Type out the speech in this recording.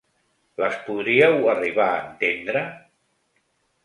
Les podríeu arribar a entendre?